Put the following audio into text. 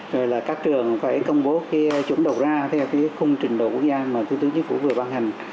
rồi là các trường phải công bố cái chuẩn đầu ra theo cái khung trình độ quốc gia mà thủ tướng chính phủ vừa ban hành